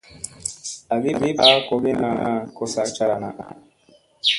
Agi va a kogiya ko cara na.